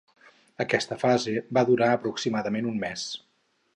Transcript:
Aquesta fase va durar aproximadament un mes.